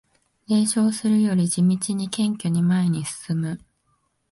冷笑するより地道に謙虚に前に進む